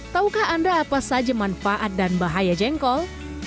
taukah anda apa saja manfaat dan bahaya jengkol